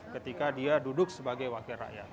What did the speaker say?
ketika dia duduk sebagai wakil rakyat